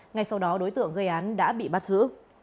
ngay sau đó đối tượng gây án đã bị bắt giữ